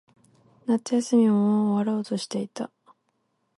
夏休みももう終わろうとしていた。